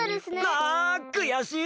あくやしい！